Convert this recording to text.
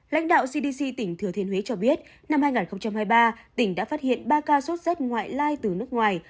lãnh đạo cdc tỉnh thừa thiên huế cho biết năm hai nghìn hai mươi ba tỉnh đã phát hiện ba ca sốt z ngoại lai từ nước ngoài